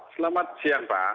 selamat siang pak